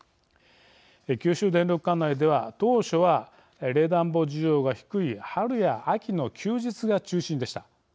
九州電力管内では当初は冷暖房需要が低い春や秋の休日が中心でした。